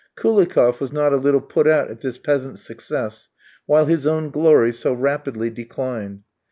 Koulikoff was not a little put out at this peasant's success, while his own glory so rapidly declined.